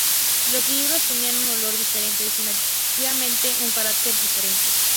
Los libros tenían un olor diferente, definitivamente un carácter diferente.